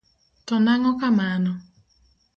To nang'o kamano?